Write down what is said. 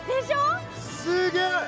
すげえ！